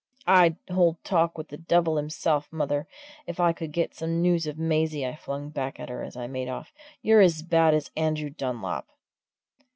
"I'd hold talk with the devil himself, mother, if I could get some news of Maisie!" I flung back at her as I made off. "You're as bad as Andrew Dunlop!"